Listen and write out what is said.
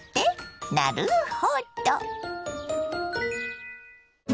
なるほど！